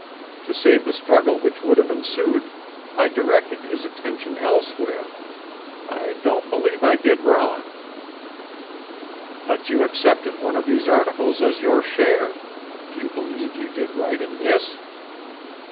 To save the struggle which would have ensued, I directed his attention elsewhere. I don't believe I did wrong." "But you accepted one of these articles as your share. Do you believe you did right in this?"